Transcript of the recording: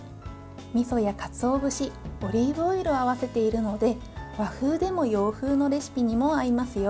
みそやかつお節オリーブオイルを合わせているので、和風でも洋風のレシピにも合いますよ。